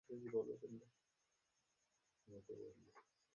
তবে পরের টুর্নামেন্টেই যেন নিজেকে ফিরে পাওয়ার আভাস দিলেন দেশসেরা গলফার।